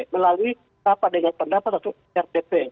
melalui pendapat rdp